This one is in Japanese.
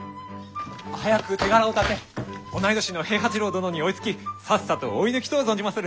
早く手柄を立て同い年の平八郎殿に追いつきさっさと追い抜きとう存じまする。